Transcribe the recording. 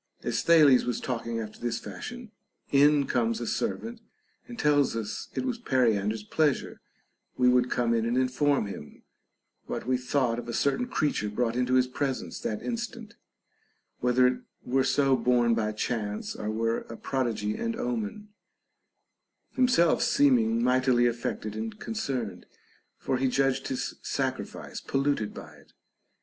As Thales was talking after this fashion, in comes a ser vant and tells us it was Periander's pleasure we would come in and inform him what we thought of a certain creature brought into his presence that instant, whether it were so born by chance or were a prodigy and omen ;— himself seeming mightily affected and concerned, for he judged his sacrifice polluted by it.